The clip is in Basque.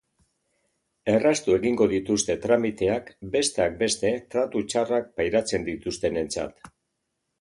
Erraztu egingo dituzte tramiteak, besteak beste, tratu txarrak pairatzen dituztenentzat.